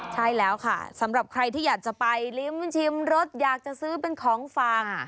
ใช่แล้วค่ะสำหรับใครที่อยากจะไปลิ้มชิมรสอยากจะซื้อเป็นของฟัง